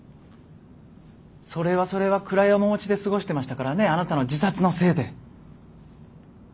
それはそれは暗い面持ちで過ごしてましたからねあなたの自殺のせいで。